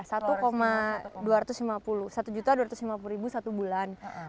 satu juta dua ratus lima puluh ribu satu bulan